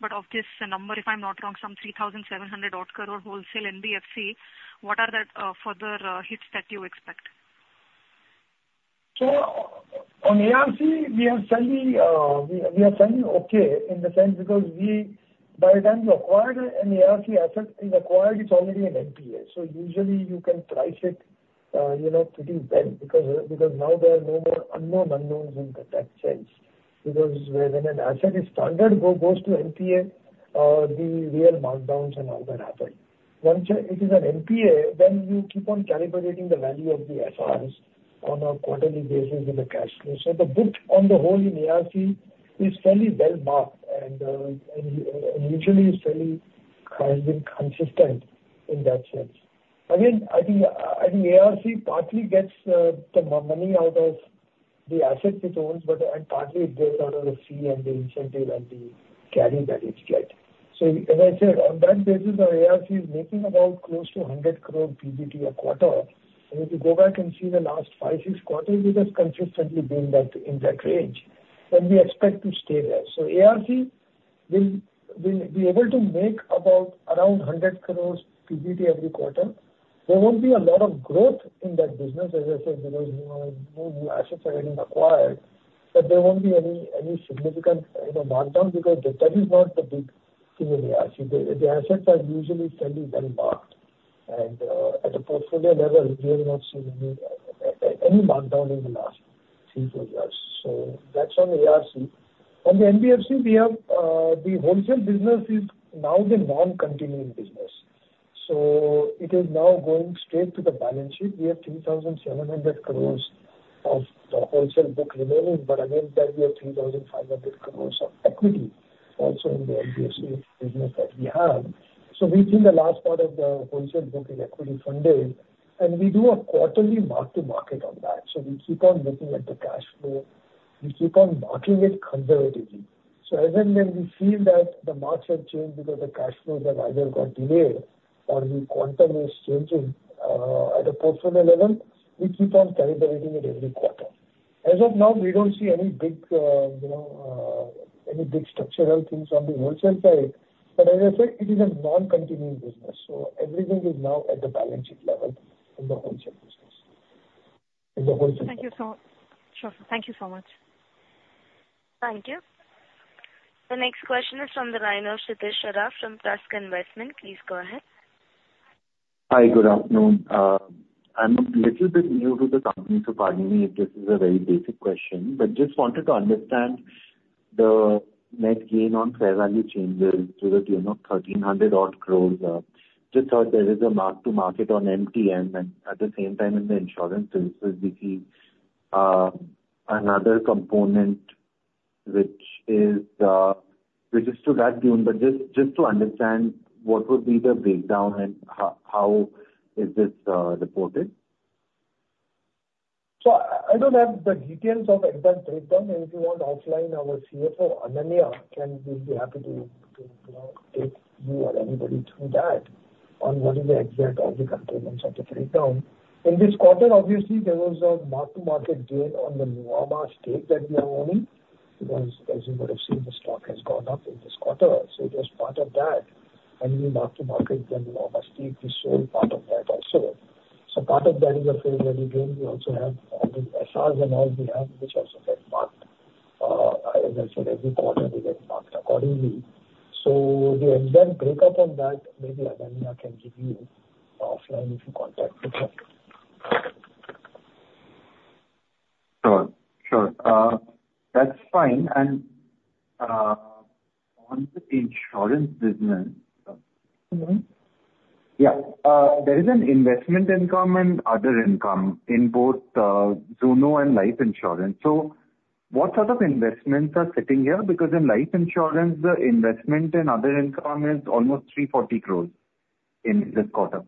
but of this number, if I'm not wrong, some 3,700-odd crore wholesale NBFC, what are that further hits that you expect? So on ARC, we are fairly okay in the sense because by the time we acquire an ARC asset, it's already an NPA. So usually you can price it, you know, pretty well, because now there are no more unknown unknowns in that sense. Because when an asset is standard, it goes to NPA, the real markdowns and all that happen. Once it is an NPA, then you keep on calibrating the value of the SRs on a quarterly basis in the cash flow. So the book on the whole in ARC is fairly well marked and usually fairly has been consistent in that sense. Again, I think I think ARC partly gets the money out of the assets it owns, but and partly it gets out of the fee and the incentive and the carry that it gets. So as I said, on that basis, our ARC is making about close to 100 crore PBT a quarter. And if you go back and see the last five, six quarters, we have consistently been that, in that range, and we expect to stay there. So ARC will be able to make about around 100 crores PBT every quarter. There won't be a lot of growth in that business, as I said, because you know, new assets are getting acquired, but there won't be any significant you know, markdown, because that is not the big thing in ARC. The assets are usually fairly well marked. And, at a portfolio level, we have not seen any markdown in the last three, four years. So that's on ARC. On the NBFC, we have the wholesale business is now the non-continuing business. So it is now going straight to the balance sheet. We have 3,700 crores of the wholesale book remaining, but against that we have 3,500 crores of equity also in the NBFC business that we have. So we think the last part of the wholesale book is equity funded, and we do a quarterly mark-to-market on that. So we keep on looking at the cash flow. We keep on marking it conservatively. As and when we feel that the marks have changed because the cash flows have either got delayed or the quantum is changing, at a portfolio level, we keep on calibrating it every quarter. As of now, we don't see any big, you know, structural things on the wholesale side, but as I said, it is a non-continuing business, so everything is now at the balance sheet level in the wholesale business. In the wholesale- Thank you. Sure. Thank you so much. Thank you. The next question is from the line of Kshitiz Sharma from Trust Investment. Please go ahead. Hi, good afternoon. I'm a little bit new to the company, so pardon me if this is a very basic question. But just wanted to understand the net gain on fair value changes to the tune of 1,300-odd crores. Just thought there is a mark-to-market on MTN, and at the same time in the insurance services, we see another component which is to that tune. But just to understand, what would be the breakdown and how is this reported? So I don't have the details of the exact breakdown, and if you want offline, our CFO, Ananya, can will be happy to you know take you or anybody through that, on what is the exact of the components of the breakdown. In this quarter, obviously, there was a mark-to-market gain on the Nuvama stake that we are owning, because as you would have seen, the stock has gone up in this quarter. So it was part of that, and we mark-to-market the Nuvama stake, this whole part of that also. So part of that is a fair value gain. We also have all the SRs and all we have, which also get marked. As I said, every quarter they get marked accordingly. So the exact breakup on that, maybe Ananya can give you offline if you contact her. Sure, sure. That's fine, and on the insurance business- Mm-hmm? Yeah. There is an investment income and other income in both Zuno and life insurance. So what sort of investments are sitting here? Because in life insurance, the investment and other income is almost 340 crores in this quarter.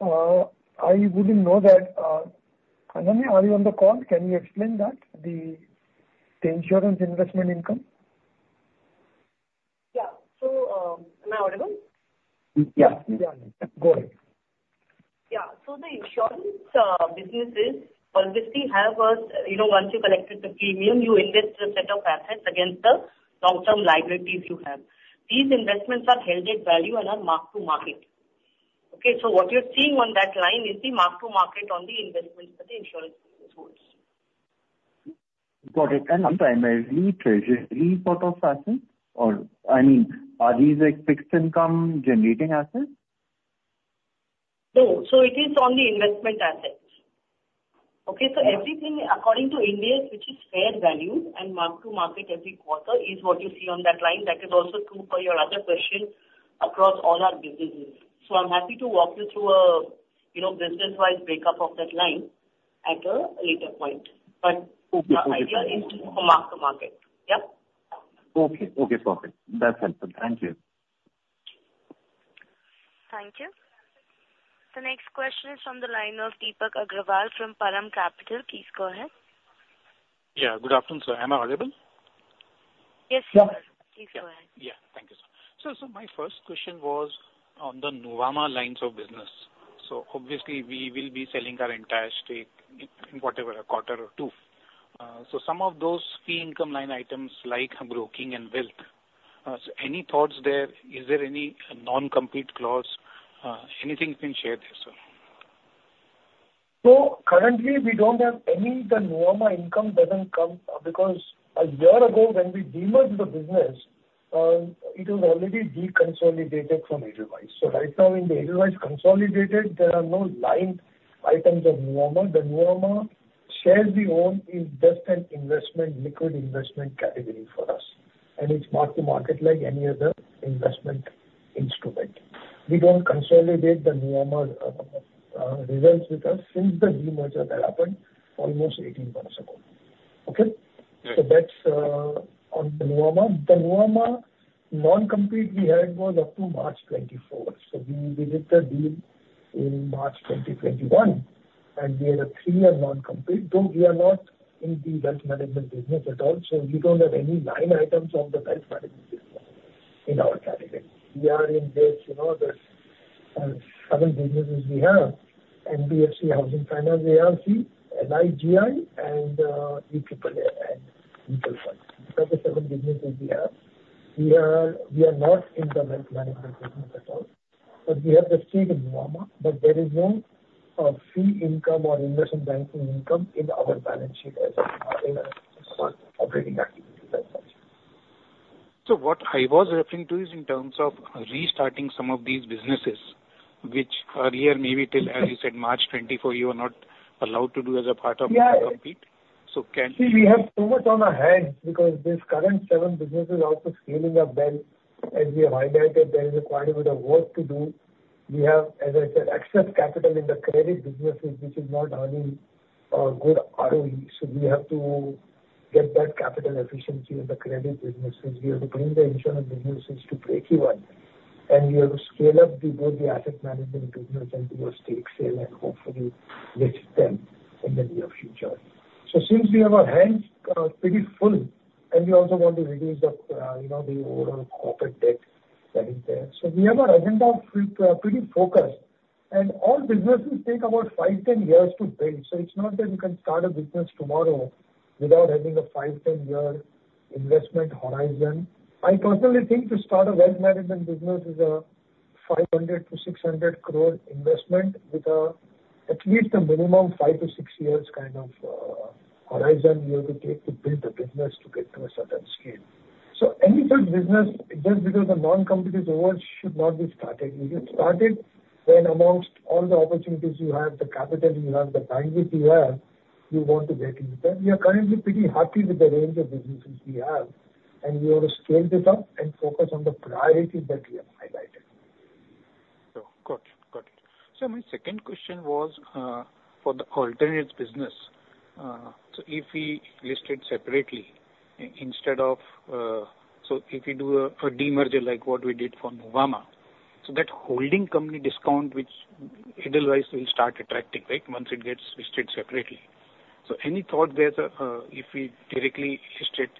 I wouldn't know that. Ananya, are you on the call? Can you explain that, the insurance investment income? Yeah. So, am I audible? Yeah. Yeah. Go ahead. Yeah. So the insurance businesses obviously have a, you know, once you collected the premium, you invest a set of assets against the long-term liabilities you have. These investments are held at value and are Mark-to-Market. Okay? So what you're seeing on that line is the Mark-to-Market on the investments that the insurance business holds. Got it. And primarily treasury sort of assets or, I mean, are these like fixed income generating assets? No. So it is only investment assets. Okay? So everything according to India, which is fair value and mark to market every quarter, is what you see on that line. That is also true for your other question across all our businesses. So I'm happy to walk you through a, you know, business-wide breakup of that line.... at a later point. But- Okay. My idea is to mark to market. Yeah? Okay, okay, perfect. That's helpful. Thank you. Thank you. The next question is from the line of Deepak Agrawal from Param Capital. Please go ahead. Yeah, good afternoon, sir. Am I audible? Yes, sir. Yeah. Please go ahead. Yeah. Thank you, sir. So my first question was on the Nuvama lines of business. So obviously, we will be selling our entire stake in whatever, a quarter or two. So some of those fee income line items like broking and wealth, so any thoughts there? Is there any non-compete clause, anything you can share there, sir? So currently, we don't have any, the Nuvama income doesn't come, because a year ago, when we demerged the business, it was already deconsolidated from Edelweiss. So right now, in the Edelweiss consolidated, there are no line items of Nuvama. The Nuvama shares we own is just an investment, liquid investment category for us, and it's mark-to-market like any other investment instrument. We don't consolidate the Nuvama, results with us since the demerger that happened almost eighteen months ago. Okay? Right. So that's on the Nuvama. The Nuvama non-compete we had was up to March 2024. We did the deal in March 2021, and we had a three-year non-compete, though we are not in the wealth management business at all, so we don't have any line items on the wealth management business in our category. We are in this, you know, seven businesses we have, NBFC, Housing Finance, ARC, LI, GI and E triple A and mutual funds. Those are the seven businesses we have. We are not in the wealth management business at all, but we have the stake in Nuvama, but there is no fee income or investment banking income in our balance sheet as of in our operating activity as such. So what I was referring to is in terms of restarting some of these businesses, which earlier, maybe till, as you said, March 2024, you are not allowed to do as a part of- Yeah. non-compete. So can- See, we have so much on our hands because these current seven businesses also scaling up well. As we have highlighted, there is quite a bit of work to do. We have, as I said, excess capital in the credit businesses, which is not earning good ROE. So we have to get that capital efficiency in the credit businesses. We have to bring the insurance businesses to breakeven, and we have to scale up the, both the asset management business and do a stake sale and hopefully list them in the near future. So since we have our hands pretty full, and we also want to reduce the you know, the overall corporate debt that is there. So we have our agenda pretty focused, and all businesses take about five, 10 years to build. So it's not that you can start a business tomorrow without having a 5-10-year investment horizon. I personally think to start a wealth management business is a 500-600 crore investment with at least a minimum of 5-6 years kind of horizon you have to take to build the business to get to a certain scale. So any such business, just because the non-compete is over, should not be started. You get started when amongst all the opportunities you have, the capital you have, the bandwidth you have, you want to get into that. We are currently pretty happy with the range of businesses we have, and we want to scale this up and focus on the priorities that we have highlighted. So got it, got it. So my second question was for the alternatives business. So if we list it separately, instead of... So if we do a demerger like what we did for Nuvama, so that holding company discount which Edelweiss will start attracting, right? Once it gets listed separately. So any thought there, if we directly list it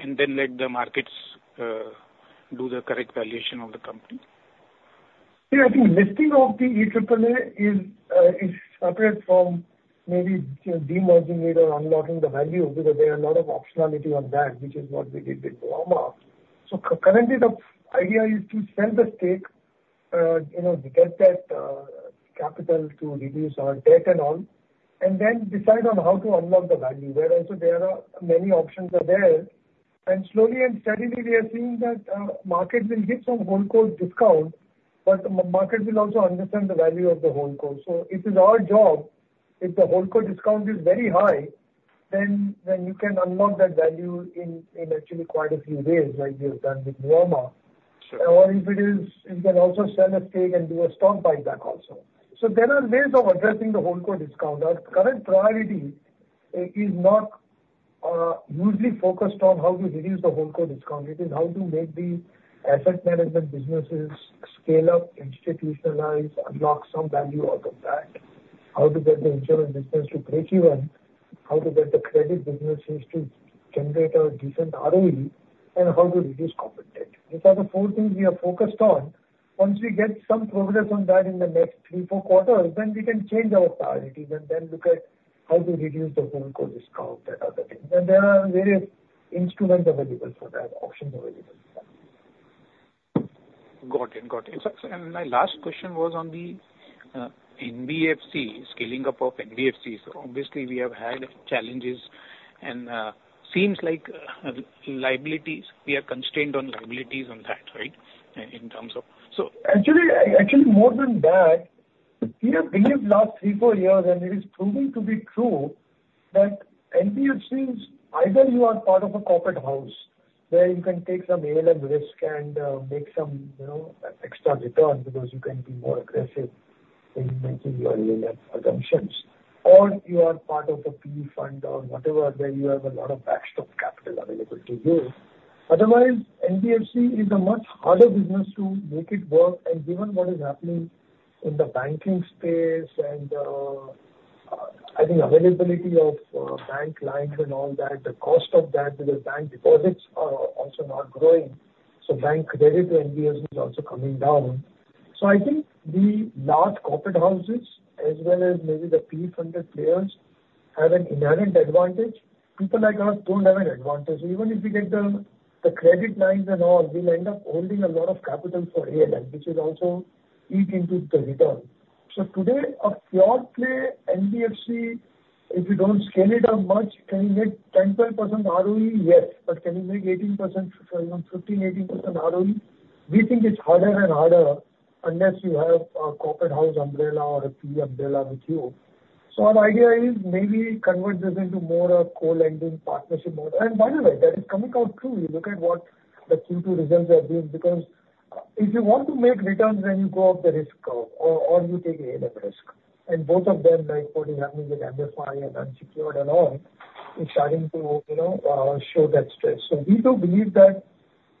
and then let the markets do the correct valuation of the company? Yeah, I think listing of the E triple A is separate from maybe, you know, demerging it or unlocking the value because there are a lot of optionality on that, which is what we did with Nuvama. So currently, the idea is to sell the stake, you know, to get that capital to reduce our debt and all, and then decide on how to unlock the value, where also there are many options are there. And slowly and steadily, we are seeing that market will give some holdco discount, but the market will also understand the value of the holdco. So it is our job, if the holdco discount is very high, then you can unlock that value in actually quite a few ways, like we have done with Nuvama. Sure. Or if it is, you can also sell a stake and do a share buyback also. So there are ways of addressing the holdco discount. Our current priority is not usually focused on how to reduce the holdco discount. It is how to make the asset management businesses scale up, institutionalize, unlock some value out of that, how to get the insurance business to breakeven, how to get the credit businesses to generate a decent ROE, and how to reduce corporate debt. These are the four things we are focused on. Once we get some progress on that in the next three, four quarters, then we can change our priorities and then look at how to reduce the holdco discount and other things. And there are various instruments available for that, options available for that. Got it, got it. So, and my last question was on the, NBFC, scaling up of NBFCs. Obviously, we have had challenges and, seems like, liabilities, we are constrained on liabilities on that, right? In terms of- Actually, more than that, we have believed last three, four years, and it is proven to be true. NBFCs, either you are part of a corporate house, where you can take some ALM risk and make some, you know, extra returns because you can be more aggressive in making your ALM assumptions, or you are part of a PE fund or whatever, where you have a lot of backstop capital available to you. Otherwise, NBFC is a much harder business to make it work, and given what is happening in the banking space and I think availability of bank lines and all that, the cost of that, because bank deposits are also not growing, so bank credit to NBFC is also coming down. The large corporate houses, as well as maybe the PE-funded players, have an inherent advantage. People like us don't have an advantage. Even if we get the credit lines and all, we'll end up holding a lot of capital for ALM, which is also eating into the return. So today, a pure-play NBFC, if you don't scale it up much, can you make 10, 12% ROE? Yes. But can you make 18%, you know, 15, 18% ROE? We think it's harder and harder unless you have a corporate house umbrella or a PE umbrella with you. So our idea is maybe convert this into more of co-lending partnership model. And by the way, that is coming out truly. Look at what the Q2 results are doing, because if you want to make returns, then you go up the risk curve or you take ALM risk. Both of them, like what is happening with NBFC and unsecured and all, is starting to, you know, show that stress. We do believe that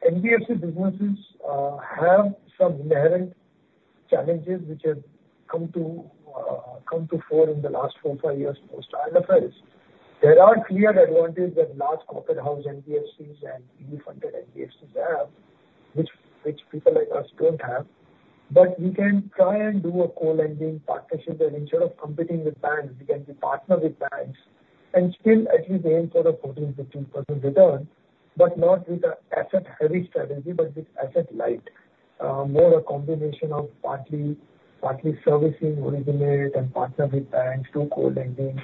NBFC businesses have some inherent challenges which have come to fore in the last four, five years post IFRS. There are clear advantages that large corporate house NBFCs and PE-funded NBFCs have, which people like us don't have. But we can try and do a co-lending partnership, where instead of competing with banks, we can partner with banks and still achieve aim for a 14%-15% return, but not with an asset-heavy strategy, but with asset-light. More a combination of partly servicing, originate and partner with banks, do co-lending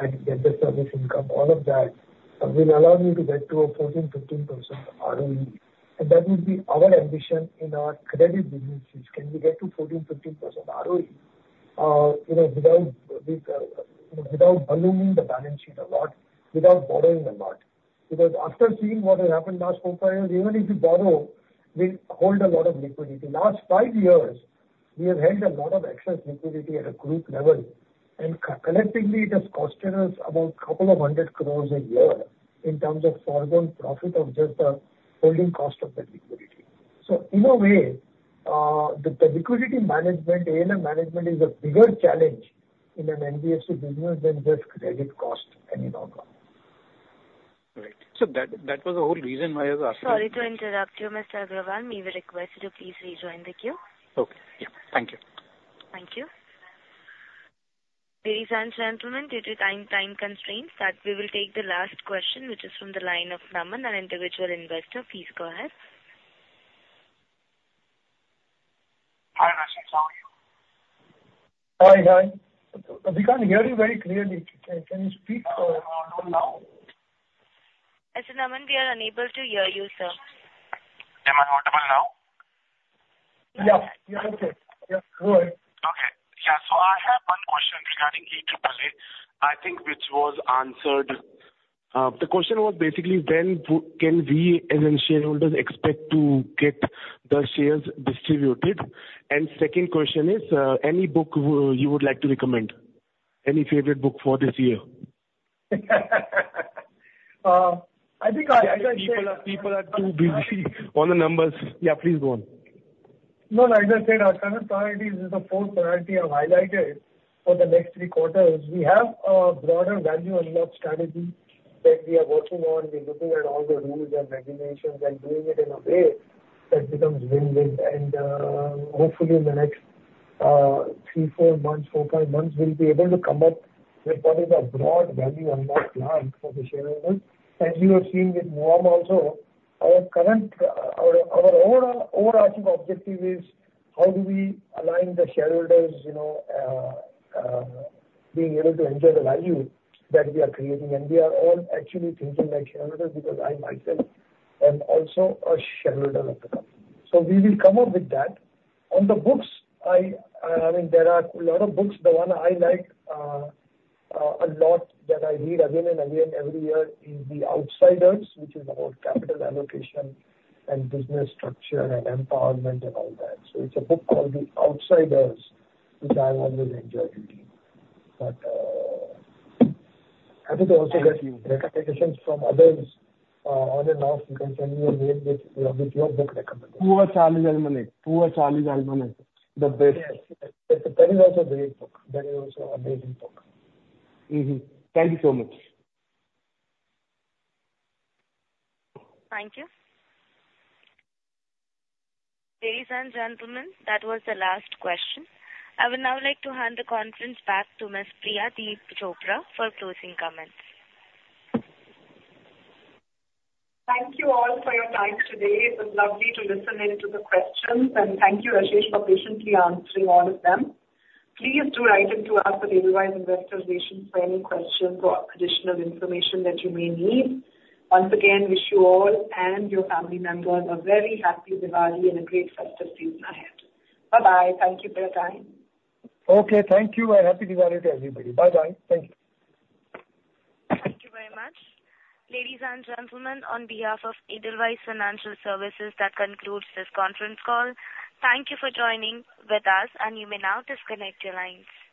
and get the service income. All of that will allow you to get to a 14-15% ROE, and that will be our ambition in our credit businesses. Can we get to 14-15% ROE, you know, without the without ballooning the balance sheet a lot, without borrowing a lot? Because after seeing what has happened last 4-5 years, even if you borrow, we hold a lot of liquidity. Last 5 years, we have held a lot of excess liquidity at a group level, and collectively, it has costed us about a couple of hundred crores a year in terms of foregone profit or just the holding cost of that liquidity. So in a way, the liquidity management, ALM management is a bigger challenge in an NBFC business than just credit cost anymore. Right. So that was the whole reason why I was asking- Sorry to interrupt you, Mr. Agrawal. We will request you to please rejoin the queue. Okay. Yeah, thank you. Thank you. Ladies and gentlemen, due to time constraints, we will take the last question, which is from the line of Naman, an individual investor. Please go ahead. Hi, Rashesh, how are you? Hi. Hi. We can't hear you very clearly. Can you speak a little louder? Mr. Naman, we are unable to hear you, sir. Am I audible now? Yeah, you're okay. Yeah, go ahead. Okay. Yeah, so I have one question regarding EAAA, I think which was answered. The question was basically, when can we, as shareholders, expect to get the shares distributed? And second question is, any book you would like to recommend? Any favorite book for this year? I think I- People are too busy on the numbers. Yeah, please, go on. No, like I said, our current priority is the fourth priority I've highlighted for the next three quarters. We have a broader value unlock strategy that we are working on. We're looking at all the rules and regulations and doing it in a way that becomes win-win. And, hopefully in the next, three, four months, four, five months, we'll be able to come up with what is our broad value unlock plan for the shareholders. As you have seen with Nuvama also, our current, our overarching objective is: How do we align the shareholders, you know, being able to enjoy the value that we are creating? And we are all actually thinking like shareholders, because I, myself, am also a shareholder of the company. So we will come up with that. On the books, I mean, there are a lot of books. The one I like a lot, that I read again and again every year, is The Outsiders, which is about capital allocation and business structure and empowerment and all that. So it's a book called The Outsiders, which I always enjoy reading. But I think I also get recommendations from others on and off. You can send me a name with your book recommendation. Poor Charlie's Almanack. Poor Charlie's Almanack, the best. Yes. Yes, that is also a great book. That is also a great book. Mm-hmm. Thank you so much. Thank you. Ladies and gentlemen, that was the last question. I would now like to hand the conference back to Ms. Priyadeep Chopra for closing comments. Thank you all for your time today. It was lovely to listen in to the questions, and thank you, Rashesh, for patiently answering all of them. Please do write into us at Edelweiss Investor Relations for any questions or additional information that you may need. Once again, wish you all and your family members a very happy Diwali and a great festive season ahead. Bye-bye. Thank you for your time. Okay, thank you, and Happy Diwali to everybody. Bye-bye. Thank you. Thank you very much. Ladies and gentlemen, on behalf of Edelweiss Financial Services, that concludes this conference call. Thank you for joining with us, and you may now disconnect your lines.